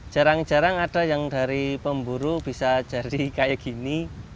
jarang jarang ada yang dari pemburu bisa jadi kayak gini